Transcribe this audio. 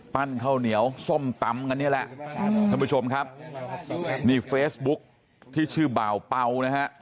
ข้าวเหนียวส้มตำกันนี่แหละท่านผู้ชมครับนี่เฟซบุ๊กที่ชื่อบ่าวเป่านะฮะ